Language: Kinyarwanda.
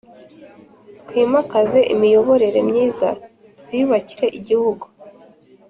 Twimakaze imiyoborere myiza twiyubakire igihugu